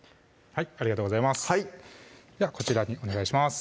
はいではこちらにお願いします